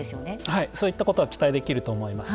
はいそういったことは期待できると思います。